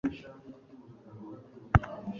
Yahambiriye umugozi w'ifarashi n'umugozi.